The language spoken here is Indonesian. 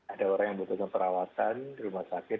ada orang yang membutuhkan perawatan di rumah sakit